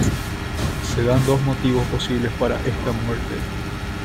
Se dan dos motivos posibles para esta muerte.